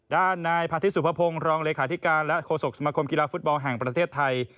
ด้านนายพาทิตสุภพงศ์รองเลขาธิการและโฆษกสมคมกีฬาฟุตบอลแห่งประเทศไทย